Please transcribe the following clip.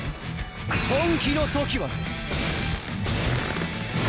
本気の時はね！！